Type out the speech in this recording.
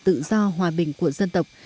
tự do hòa bình của dân tộc